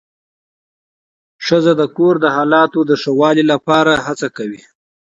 ښځه د کور د فضا د ښه والي لپاره هڅه کوي